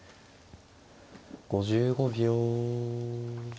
５５秒。